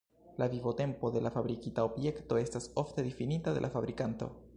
La vivotempo de fabrikita objekto estas ofte difinita de la fabrikanto.